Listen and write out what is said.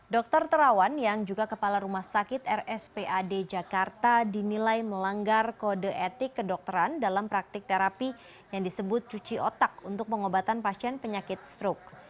dr terawan yang juga kepala rumah sakit rspad jakarta dinilai melanggar kode etik kedokteran dalam praktik terapi yang disebut cuci otak untuk pengobatan pasien penyakit stroke